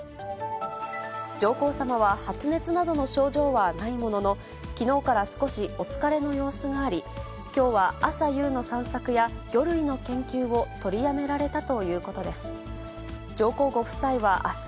上皇さまは発熱などの症状はないものの、きのうから少しお疲れの様子があり、きょうは、朝夕の散策や、魚類の研究を取りやめられたということです。